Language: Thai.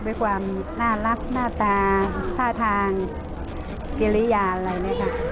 เป็นความน่ารักหน้าตาท่าทางเกลียร์อะไรนะครับ